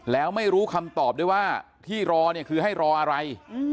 แล้วไม่รู้คำตอบด้วยว่าที่รอเนี่ยคือให้รออะไร